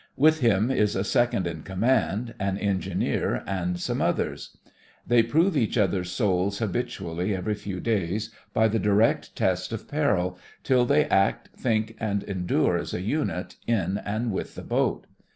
With him is a second in command, an engineer, and some others. They THE FRINGES OF THE FLEET 71 prove each other's souls habitually every few days, by the direct test of peril, till they act, think, and endure as a unit, in and with the boat.